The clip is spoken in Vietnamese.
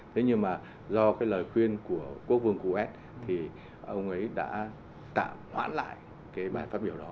thế nhưng mà do cái lời khuyên của quốc vương coes thì ông ấy đã tạm hoãn lại cái bài phát biểu đó